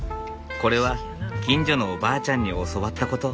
これは近所のおばあちゃんに教わったこと。